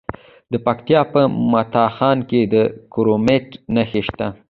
د پکتیکا په متا خان کې د کرومایټ نښې شته.